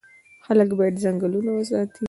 خلک باید ځنګلونه وساتي.